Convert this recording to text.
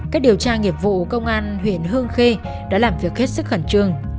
các điều tra nghiệp vụ công an huyện hương khê đã làm việc hết sức khẩn trương